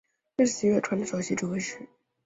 这一时期乐团的首席指挥是。